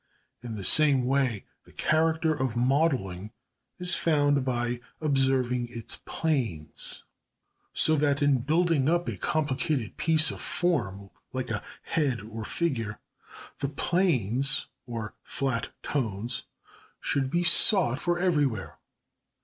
In the same way #the character of modelling is found by observing its planes#. So that in building up a complicated piece of form, like a head or figure, the planes (or flat tones) should be sought for everywhere.